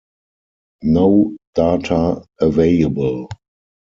No data available.